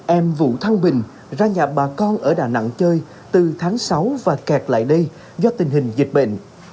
em vũ thăng bình ra nhà bà con ở đà nẵng chơi từ tháng sáu và kẹt lại đây do tình hình dịch bệnh